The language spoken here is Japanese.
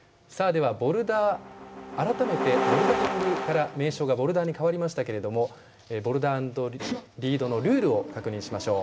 改めてボルダリングからボルダーに変わりましたけどもボルダー＆リードのルールを確認しましょう。